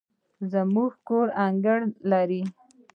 زموږ کور انګړ لري